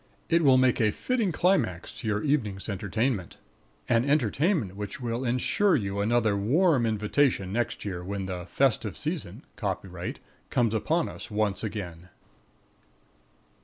It will make a fitting climax to your evening's entertainment an entertainment which will ensure you another warm invitation next year when the "festive season" (copyright) comes upon us once again.